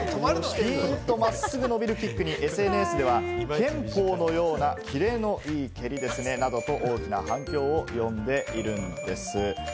ピンと真っすぐ伸びるキックに、ＳＮＳでは、拳法のようなキレのいい蹴りですね！などと大きな反響を呼んでいるんです。